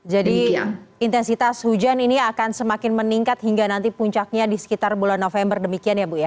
jadi intensitas hujan ini akan semakin meningkat hingga nanti puncaknya di sekitar bulan november demikian ya bu ya